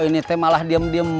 ini malah diem diem